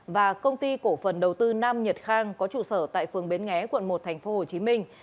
và công ty cổ phần đầu tư nam nhật khang có trụ sở tại phường bến nghé quận một thành phố hồ chí minh